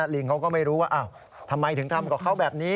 ลิงเขาก็ไม่รู้ว่าทำไมถึงทำกับเขาแบบนี้